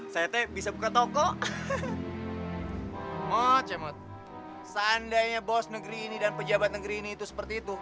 saya teh bisa buka toko seandainya bos negeri ini dan pejabat negeri ini itu seperti itu